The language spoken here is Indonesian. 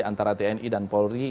antara tni dan polri